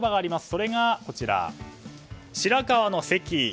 それが、白河の関。